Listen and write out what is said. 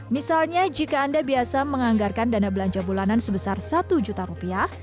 misalnya jika anda biasa menganggarkan dana belanja bulanan sebesar satu juta rupiah